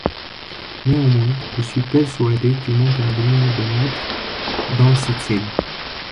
Néanmoins je suis persuadée qu’il manque un brouillon de lettre dans cette série.